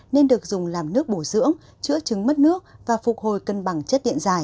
nên được dùng làm nước bổ dưỡng chữa trứng mất nước và phục hồi cân bằng chất điện giải